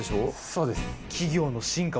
そうです。